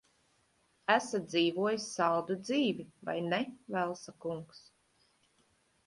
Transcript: Esat dzīvojis saldu dzīvi, vai ne, Velsa kungs?